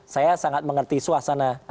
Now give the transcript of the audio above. saya sangat mengerti suasana